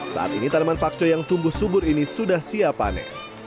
saat ini tanaman pakcoy yang tumbuh subur ini sudah siapane